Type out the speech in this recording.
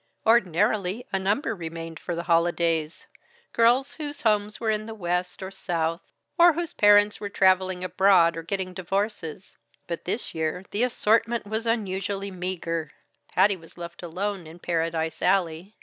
Ordinarily, a number remained for the holidays, girls whose homes were in the West or South, or whose parents were traveling abroad or getting divorces but this year the assortment was unusually meager. Patty was left alone in "Paradise Alley."